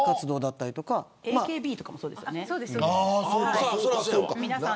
ＡＫＢとかもそうですよね。